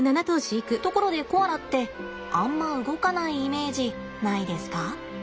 ところでコアラってあんま動かないイメージないですか？